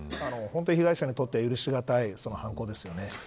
被害者にとっては許しがたい犯行ですよね。